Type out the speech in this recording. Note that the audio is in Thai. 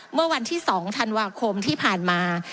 เมื่อวันที่๒ธันวาคมที่ผ่านมา